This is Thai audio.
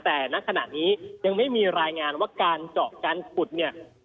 แต่ณขณะนี้ยังไม่มีรายงานว่าการเจาะการขุดเนี่ย